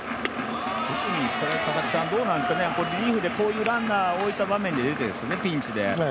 特にリリーフでこういうランナーを置いた場面で出ているんですよね、ピンチで。